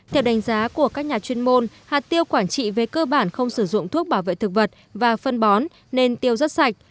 theo đánh giá của các nhà chuyên môn hạt tiêu quảng trị về cơ bản không sử dụng thuốc bảo vệ thực vật và phân bón nên tiêu rất sạch